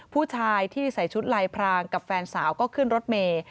ผู้ชายที่ใส่ชุดลายพรางกับแฟนสาวก็ขึ้นรถเมย์